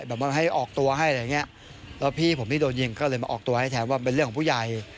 แบบว่าให้ออกตัวให้อะไรอย่างเงี้ยแล้วพี่ผมที่โดนยิงก็เลยมาออกตัวให้แถมว่าเป็นเรื่องของผู้ใหญ่